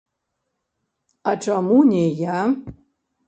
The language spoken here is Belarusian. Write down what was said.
А чаму не я?